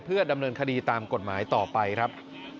ดำเนินคดีตามกฎหมายต่อไปครับ